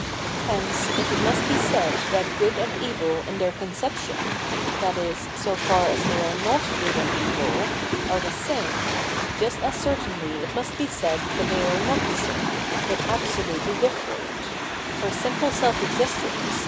Hence, if it must be said that good and evil in their conception, i.e., so far as they are not good and evil, are the same, just as certainly it must be said that they are not the same, but absolutely different ; for simple self existence